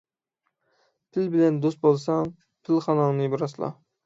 پىل بىلەن دوست بولساڭ، پىلخاناڭنى راسلا.